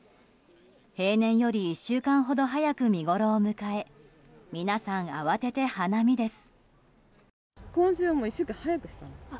平年より１週間ほど早く見ごろを迎え皆さん慌てて花見です。